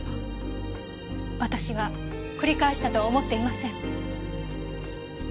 私は繰り返したとは思っていません。